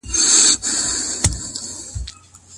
په لاس لیکلنه د مغز انځوریز مهارتونه زیاتوي.